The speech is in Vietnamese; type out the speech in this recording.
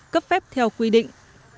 cấp phép theo quy định